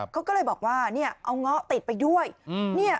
เขาก็เลยบอกว่าเอาง้อติดไปด้วย